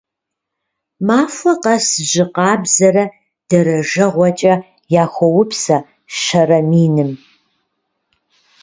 Махуэ къэс жьы къабзэрэ дэрэжэгъуэкӀэ яхуоупсэ щэрэ миным.